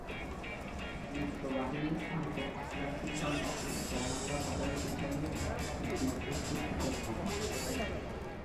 মিত্রবাহিনীর আন্তঃ-আটলান্টিক বাণিজ্যে জার্মানরা বাধা দিতে চাইলে আটলান্টিক যুদ্ধের সূত্রপাত ঘটে।